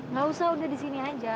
nggak usah udah di sini aja